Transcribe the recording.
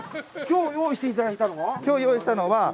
きょう、用意していただいたのは？